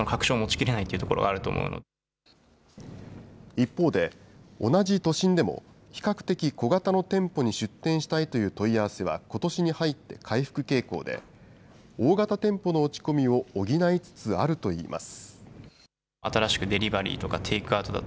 一方で、同じ都心でも、比較的小型の店舗に出店したいという問い合わせはことしに入って回復傾向で、大型店舗の落ち込みを補いつつあるといいます。